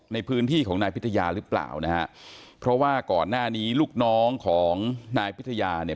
ในพื้นที่ของนายพิทยาหรือเปล่านะฮะเพราะว่าก่อนหน้านี้ลูกน้องของนายพิทยาเนี่ย